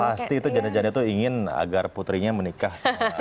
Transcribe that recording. pasti itu janda janda itu ingin agar putrinya menikah